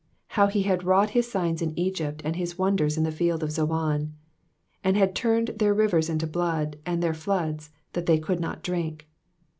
43 How he had wrought his signs in Egypt, and his wonders in the field of Zoan : 44 And had turned their rivers into blood ; and their floods, that they could not drink.